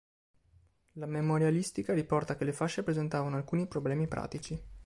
La memorialistica riporta che le fasce presentavano alcuni problemi pratici.